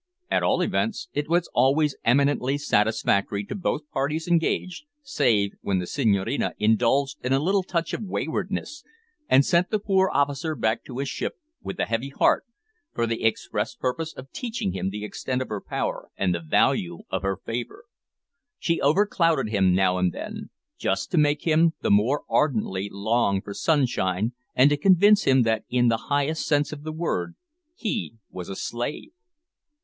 At all events it was always eminently satisfactory to both parties engaged, save when the Senhorina indulged in a little touch of waywardness, and sent the poor officer back to his ship with a heavy heart, for the express purpose of teaching him the extent of her power and the value of her favour. She overclouded him now and then, just to make him the more ardently long for sunshine, and to convince him that in the highest sense of the word he was a slave!